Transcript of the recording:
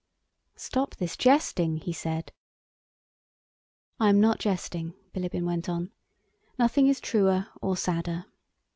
"Stop this jesting," he said. "I am not jesting," Bilíbin went on. "Nothing is truer or sadder.